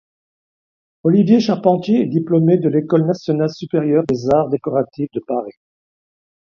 Olivier Charpentier est diplômé de l'École nationale supérieure des arts décoratifs de Paris.